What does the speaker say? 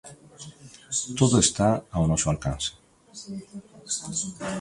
Todo está ao noso alcance.